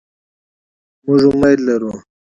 مونږ امید لرو